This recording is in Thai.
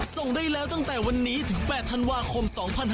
ส่งได้แล้วตั้งแต่วันนี้ถึง๘ธันวาคม๒๕๖๒